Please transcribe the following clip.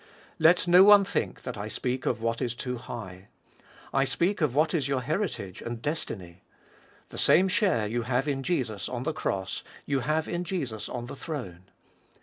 Let no one think that I speak of what is too high. I speak of what is your heritage and destiny. The same share you have in Jesus on the cross, you have in Jesus on the throne.